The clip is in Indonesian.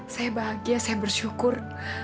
saya bahagia saya bersyukur